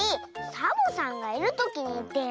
サボさんがいるときにいってよ。